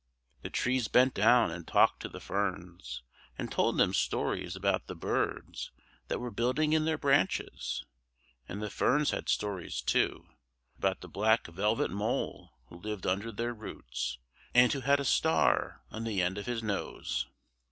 The trees bent down and talked to the ferns, and told them stories about the birds that were building in their branches; and the ferns had stories, too, about the black velvet mole who lived under their roots, and who had a star on the end of his nose.